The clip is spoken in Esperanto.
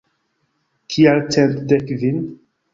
Kial cent dek kvin?